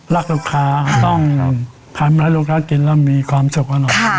รักลูกค้าต้องทำให้ลูกค้ากินแล้วมีความสุขกันหน่อย